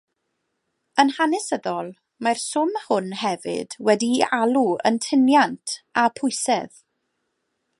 Yn hanesyddol mae'r swm hwn hefyd wedi'i alw yn "tyniant" a "pwysedd".